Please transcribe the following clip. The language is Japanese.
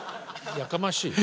やかましい。